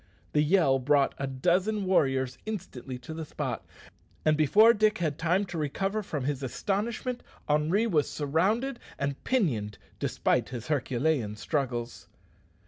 The yell brought a dozen warriors instantly to the spot, and before Dick had time to recover from his astonishment, Henri was surrounded and pinioned despite his herculean struggles.